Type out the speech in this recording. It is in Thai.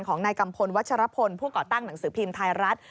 นายกัมพลวัชรพลผู้ก่อตั้งหนังสือพิมพ์ไทยรัฐ